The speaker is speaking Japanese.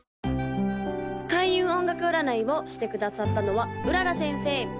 ・開運音楽占いをしてくださったのは麗先生